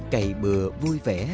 cày bừa vui vẻ